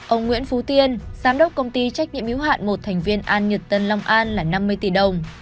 ông nguyễn phú tiên giám đốc công ty trách nhiệm hiếu hạn một thành viên an nhật tân long an là năm mươi tỷ đồng